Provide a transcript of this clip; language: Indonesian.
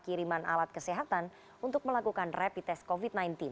kiriman alat kesehatan untuk melakukan rapid test covid sembilan belas